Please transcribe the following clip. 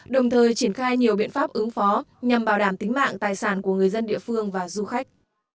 đồng thời triển khai nhiều biện pháp ứng phó nhằm bảo đảm tính mạng tài sản của người dân địa phương và du khách